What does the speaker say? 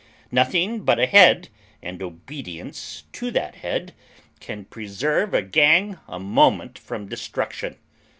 Nothing but a head, and obedience to that head, can preserve a gang a moment from destruction.